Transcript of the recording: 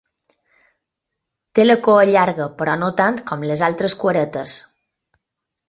Té la cua llarga, però no tant com les altres cueretes.